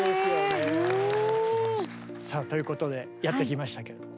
うん。ということでやってきましたけども。